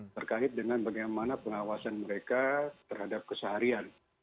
terkait dengan bagaimana pengawasan mereka terhadap keseharian